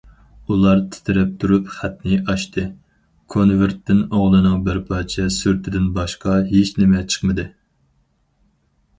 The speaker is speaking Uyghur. ئۇلار تىترەپ تۇرۇپ خەتنى ئاچتى، كونۋېرتتىن ئوغلىنىڭ بىر پارچە سۈرىتىدىن باشقا ھېچنېمە چىقمىدى.